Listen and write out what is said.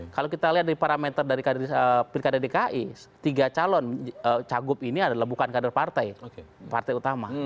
kalau kita lihat dari parameter dari pilkada dki tiga calon cagup ini adalah bukan kader partai utama